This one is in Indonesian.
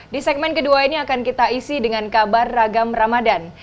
di segmen kedua ini akan kita isi dengan kabar ragam ramadan